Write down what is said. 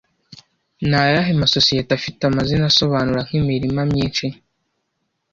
Ni ayahe masosiyete afite amazina asobanura nk'imirima myinshi